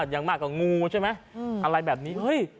อย่างมากกว่างูใช่ไหมอะไรแบบนี้เฮ้ย